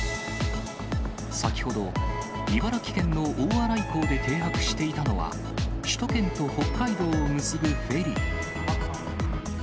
先ほど、茨城県の大洗港で停泊していたのは、首都圏と北海道を結ぶフェリー。